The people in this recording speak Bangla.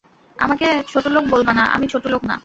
আমাকে ছোটলোক বলবানা, আমি ছোটলোক না?